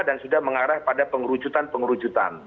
dan sudah mengarah pada pengerucutan pengerucutan